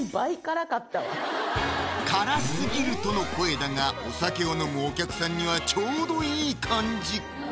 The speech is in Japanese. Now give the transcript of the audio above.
辛すぎるとの声だがお酒を飲むお客さんにはちょうどいい感じ！